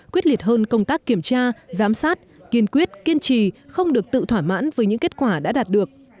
quyết liệt hơn công tác kiểm tra giám sát kiên quyết kiên trì không được tự thỏa mãn với những kết quả đã đạt được